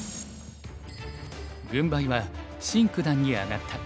軍配はシン九段に上がった。